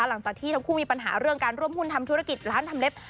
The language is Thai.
หลังจากที่ทั้งคู่มีปัญหาเรื่องการร่วมหุ้นทำธุรกิจร้านทำเล็บ